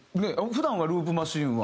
普段はループマシンは。